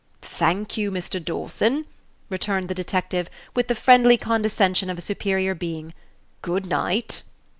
"Thank you, Mr. Dawson," returned the detective, with the friendly condescension of a superior being. "Good night."